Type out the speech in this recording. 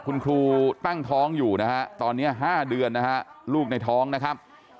คุณครูตั้งท้องอยู่นะฮะตอนนี้๕เดือนนะฮะลูกในท้องนะครับ